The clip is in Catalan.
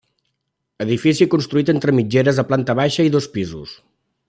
Edifici construït entre mitgeres de planta baixa i dos pisos.